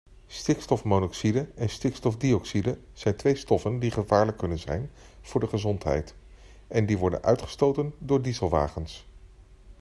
Stikstofmonoxide en stikstofdioxide zijn twee stoffen die gevaarlijk kunnen zijn voor de gezondheid en die worden uitgestoten door dieselwagens.